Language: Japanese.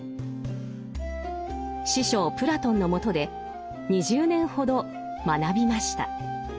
師匠プラトンのもとで２０年ほど学びました。